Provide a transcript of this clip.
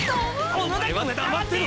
お前は黙ってろ！